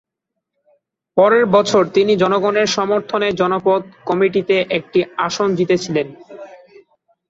পরের বছর তিনি জনগণের সমর্থনে জনপদ কমিটিতে একটি আসন জিতেছিলেন।